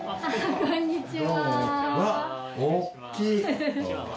こんにちは。